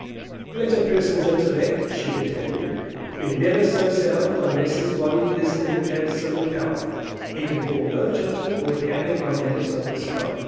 Let a person's intellect (she continued) be never so sound, unless his body is in absolute health, he can form no judgement worth having on matters of this kind.